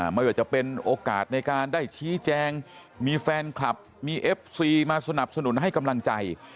ไม่ว่าจะเป็นโอกาสในการได้ชี้แจงมีแฟนคลับมีเอฟซีมาสนับสนุนให้กำลังใจ